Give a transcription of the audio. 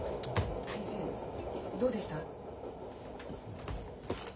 先生どうでした？